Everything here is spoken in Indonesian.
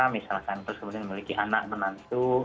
misalkan terus kemudian memiliki anak menantu